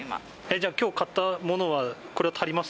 じゃあ、きょう買ったものはこれは足ります？